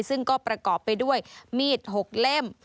ซึ่งก็ประกอบไปด้วยมีด๖เล่ม